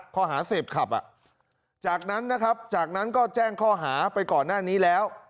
ข้อหาเสพขับจากนั้นนะครับจากนั้นก็แจ้งข้อหาไปก่อนหน้านี้แล้ว